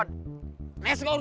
tidak ada urusan sebentar